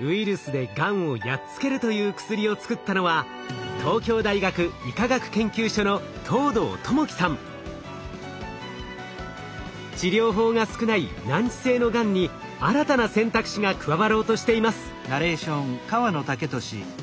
ウイルスでがんをやっつけるという薬を作ったのは治療法が少ない難治性のがんに新たな選択肢が加わろうとしています。